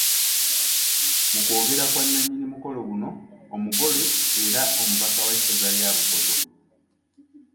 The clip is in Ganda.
Mu kwogera kwa nnannyini mukolo guno, omugole era omubaka w’essaza lya Bukoto.